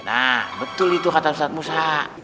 nah betul itu kata ustadz musa